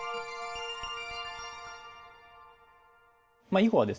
囲碁はですね